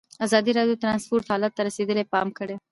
ازادي راډیو د ترانسپورټ حالت ته رسېدلي پام کړی.